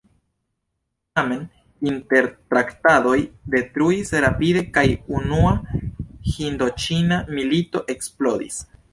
Tamen, intertraktadoj detruis rapide kaj Unua Hindoĉina Milito eksplodis.